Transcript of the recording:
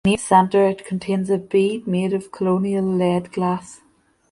Near its center, it contains a bead made of colonial lead glass.